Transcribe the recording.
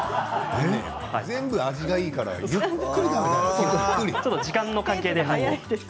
全部、味がいいからゆっくり時間の関係で。